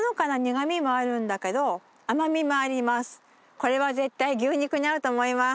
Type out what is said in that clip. これは絶対牛肉に合うと思います。